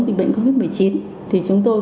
dịch bệnh covid một mươi chín thì chúng tôi